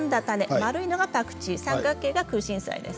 丸いのがパクチー三角形がクウシンサイです。